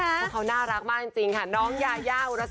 เพราะเขาน่ารักมากจริงค่ะน้องยายาอุรัส